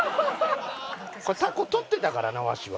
タコとってたからなわしは。